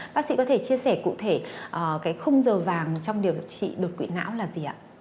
bác sĩ có thể chia sẻ cụ thể cái khung giờ vàng trong điều trị đột quỵ não là gì ạ